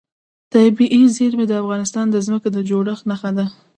طبیعي زیرمې د افغانستان د ځمکې د جوړښت نښه ده.